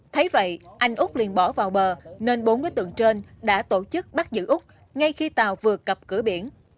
thấy vậy anh úc liền bỏ vào bờ nên bốn đối tượng trên đã tổ chức bắt giữ úc ngay khi tàu vừa cập cửa biển